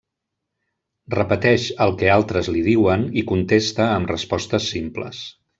Repeteix el que altres li diuen i contesta amb respostes simples.